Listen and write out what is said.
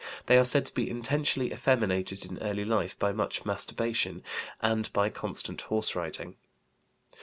They are said to be intentionally effeminated in early life by much masturbation and by constant horse riding.